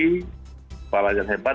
kepala yang hebat